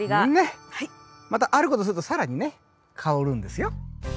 またあることすると更にね香るんですよ。